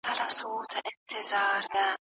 دلارام ته نږدې غرونه ډېر لوړ او ښکلي ښکاري.